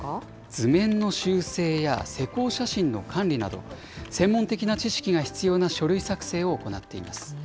図面の修正や施工写真の管理など、専門的な知識が必要な書類作成を行っています。